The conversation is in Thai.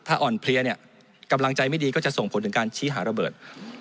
ถ้าอ่อนเพลียเนี่ยกำลังใจไม่ดีก็จะส่งผลถึงการชี้หาระเบิด